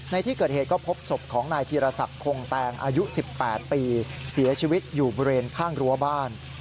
ในที่เกิดเหตุก็พบศพของนายธีรศักดิ์คงแตงอายุ๑๘ปีเสียชีวิตอยู่บริเวณข้างรั้วบ้าน